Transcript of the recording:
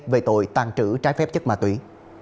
về tội tàn trữ trái phép chất ma túy